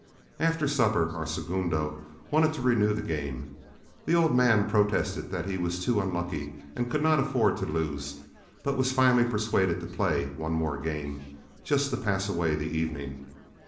After supper our segundo wanted to renew the game; the old man protested that he was too unlucky and could not afford to lose, but was finally persuaded to play one more game, "just to pass away the evening."